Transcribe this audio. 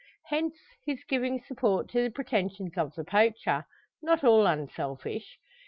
Hence his giving support to the pretensions of the poacher not all unselfish.